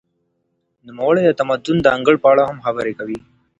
نوموړی د تمدن د انګړ په اړه هم خبري کوي.